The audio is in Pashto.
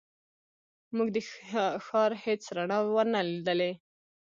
موږ د ښار هېڅ رڼاوې ونه لیدلې.